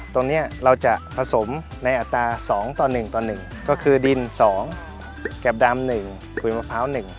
ตรงนี้เราจะผสมในอัตรา๒ต่อ๑ต่อ๑ก็คือดิน๒แกบดำ๑ขุยมะพร้าว๑